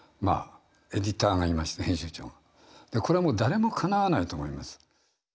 これはもう誰もかなわないと思います。